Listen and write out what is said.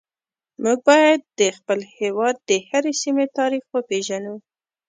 موږ باید د خپل هیواد د هرې سیمې تاریخ وپیژنو